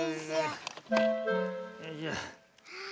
よいしょ。